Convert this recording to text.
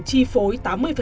chi phối tám mươi